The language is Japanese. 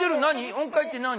音階って何？